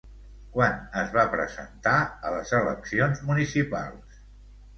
Quan es va presentar a les eleccions municipals?